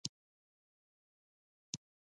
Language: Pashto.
آزاد تجارت مهم دی ځکه چې روغتیا پرمختګ ورکوي.